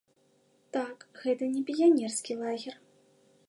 Так, гэта не піянерскі лагер.